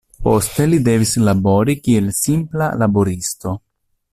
Poste li devis labori kiel simpla laboristo.